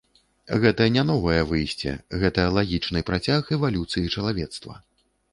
Гэта не новае выйсце, гэта лагічны працяг эвалюцыі чалавецтва.